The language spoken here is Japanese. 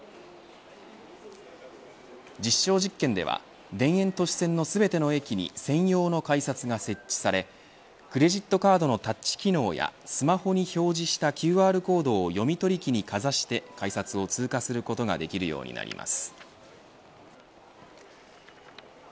実証実験では田園都市線の全ての駅に専用の改札が設置されクレジットカードのタッチ機能やスマホに表示したＱＲコードを読み取り機にかざして改札を通過することができるようになります。